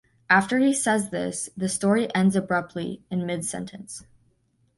After he says this, the story ends abruptly in mid-sentence.